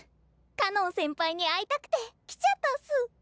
かのん先輩に会いたくて来ちゃったっす。